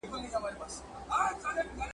اوس هغه خلک هم لوڅي پښې روان دي `